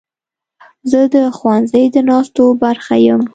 زه د ښوونځي د ناستو برخه یم.